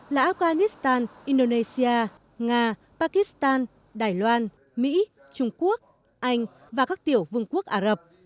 là afghanistan indonesia nga pakistan đài loan mỹ trung quốc anh và các tiểu vương quốc ả rập